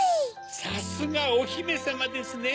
さすがおひめさまですね！